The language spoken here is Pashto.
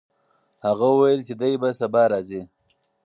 هغه وویل چې دی به سبا راځي.